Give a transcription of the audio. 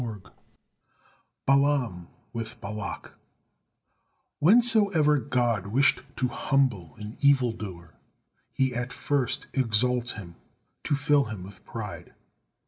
BALAAM WITH BALAK Whensoever God wished to humble an evil doer, He at first exalts him, to fill him with pride.